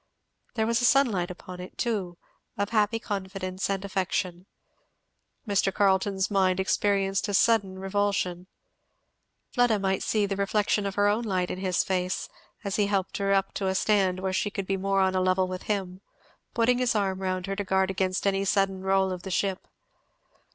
There was a sunlight upon it, too, of happy confidence and affection. Mr. Carleton's mind experienced a sudden revulsion. Fleda might see the reflection of her own light in his face as he helped her up to a stand where she could be more on a level with him; putting his arm round her to guard against any sudden roll of the ship.